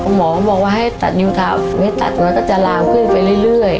หมอบอกว่าให้ตัดนิ้วเท้าไม่ตัดมันก็จะลามขึ้นไปเรื่อย